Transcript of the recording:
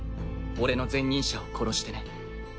俺の前任者を殺してね。